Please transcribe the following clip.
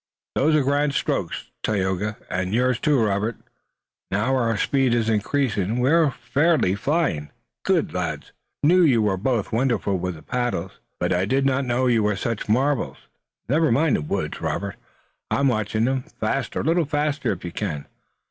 Those are grand strokes, Tayoga! And yours too, Robert! Now, our speed is increasing! We fairly fly! Good lads! I knew you were both wonderful with the paddle, but I did not know you were such marvels! Never mind the woods, Robert, I'm watching 'em! Faster! A little faster, if you can!